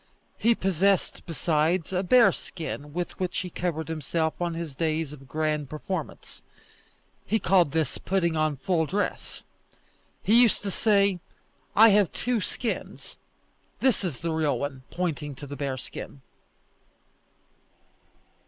He possessed, besides, a bearskin with which he covered himself on his days of grand performance. He called this putting on full dress. He used to say, "I have two skins; this is the real one," pointing to the bearskin.